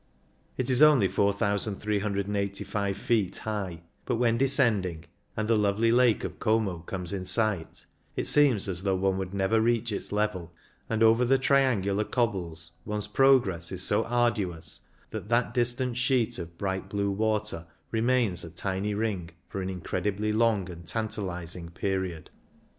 It is only 4,385 feet high ; but when descending, and the lovely lake of Como comes in sight, it seems as though one would never reach its level, and over the triangular cobbles one's progress is so arduous that that distant sheet of bright blue water remains a tiny ring for an incredibly long and tantalising period.